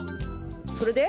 それで？